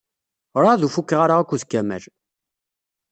Werɛad ur fukeɣ ara akked Kamal.